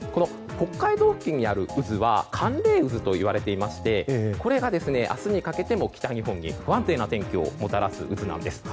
北海道付近にある渦は寒冷渦といわれていましてこれが、明日にかけても北日本に不安定な天気をもたらす渦なんです。